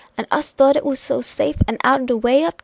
an' us thought it was so safe an' out'n de way up dar!